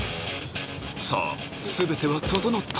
さぁ全ては整った！